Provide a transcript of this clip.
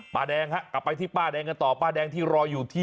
ป้าแดงครับออกไปที่ป้าแดงก็ต่อ